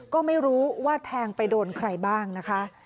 ก็ไม่รู้ว่าแทงไปโดนใครบ้างนะคะ